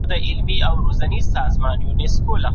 ما د سبزیو لوښی په پټه ځان ته نږدې کړ.